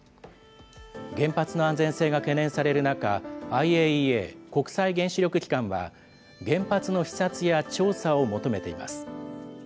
原発の安全性が懸念される中、ＩＡＥＡ・国際原子力機関は、原発の視察や調査を求めています。